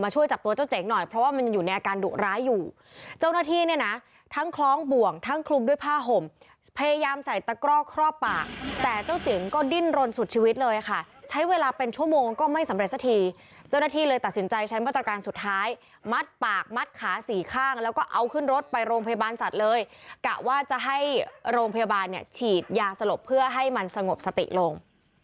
เจ้าจิ๋งก็ดิ้นรนสุดชีวิตเลยค่ะใช้เวลาเป็นชั่วโมงก็ไม่สำเร็จสักทีเจ้าหน้าที่เลยตัดสินใจใช้มาตรการสุดท้ายมัดปากมัดขาสี่ข้างแล้วก็เอาขึ้นรถไปโรงพยาบาลสัตว์เลยกะว่าจะให้โรงพยาบาลเนี่ยฉีดยาสลบเพื่อให้มันสงบสติลง